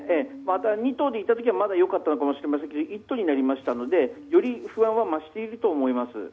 ２頭でいた時はまだ良かったのかもしれませんけれども１頭になりましたので、より不安は増していると思います。